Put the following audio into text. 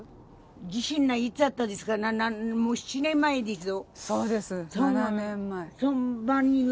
地震がいつやったですか７年前ですね。